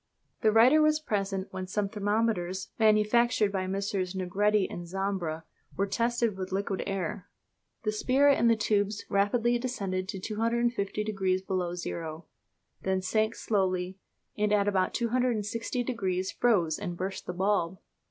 The writer was present when some thermometers, manufactured by Messrs. Negretti and Zambra, were tested with liquid air. The spirit in the tubes rapidly descended to 250 degrees below zero, then sank slowly, and at about 260 degrees froze and burst the bulb.